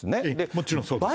もちろんそうです。